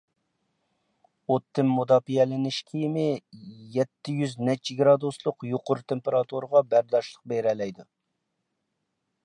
ئوتتىن مۇداپىئەلىنىش كىيىمى يەتتە يۈز نەچچە گرادۇسلۇق يۇقىرى تېمپېراتۇرىغا بەرداشلىق بېرەلەيدۇ.